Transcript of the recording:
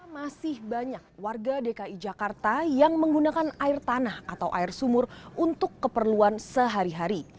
masih banyak warga dki jakarta yang menggunakan air tanah atau air sumur untuk keperluan sehari hari